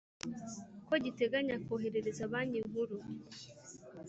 Ko giteganya koherereza banki nkuru